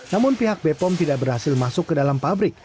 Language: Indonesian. namun pihak bepom tidak berhasil masuk ke dalam pabrik